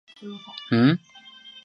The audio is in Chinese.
春日部市也是同时包含的自治体。